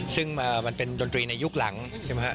ซึ่งมันเป็นดนตรีในยุคหลังใช่ไหมฮะ